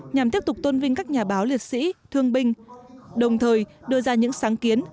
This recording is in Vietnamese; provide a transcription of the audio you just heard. nhằm tiếp tục tôn vinh các nhà báo liệt sĩ thương binh đồng thời đưa ra những sáng kiến